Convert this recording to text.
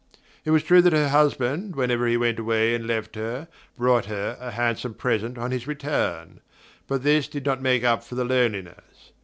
It was true that her husband, whenever he went away and left her, brought her a handsome present on his return; but this did not make up for the loneliness.